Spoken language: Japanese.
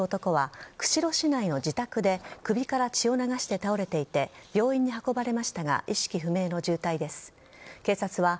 通報したとみられる男は釧路市内の自宅で首から血を流して倒れていて病院に運ばれましたが意識不明の重体です。